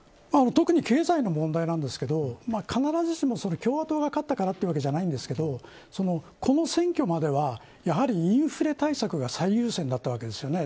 特に経済の問題ですが必ずしも共和党が勝ったからというわけではありませんがこの選挙まではインフレ対策が最優先だったわけですよね。